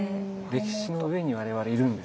歴史の上に我々いるんですね